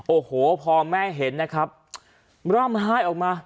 โอ้โหพอแม่เห็นนะครับร่ำไห้ออกมา